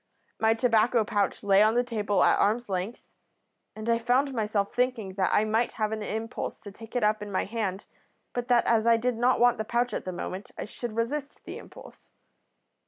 My tobacco pouch lay on the table at arm's length, and I found myself thinking that I might have an impulse to take it up in my hand but that as I did not want the pouch at the moment I should resist the impulse.